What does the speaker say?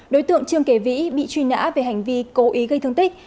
đối tượng trương kể vĩ bị truy nã về hành vi cố ý gây thương tích